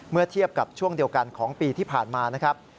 เมื่อเทียบกับช่วงเดียวกันของปีที่ผ่านมานะครับ